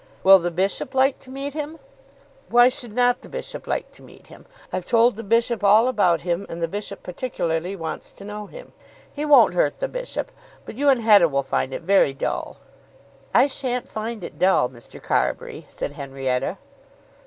"Will the bishop like to meet him?" "Why should not the bishop like to meet him? I've told the bishop all about him, and the bishop particularly wishes to know him. He won't hurt the bishop. But you and Hetta will find it very dull." "I shan't find it dull, Mr. Carbury," said Henrietta.